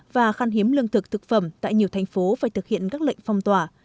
và khăn hiếm lương thực thực phẩm tại nhiều thành phố phải thực hiện các lệnh phong tỏa